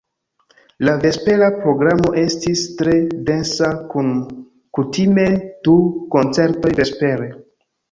La vespera programo estis tre densa kun kutime du koncertoj vespere.